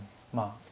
まあ。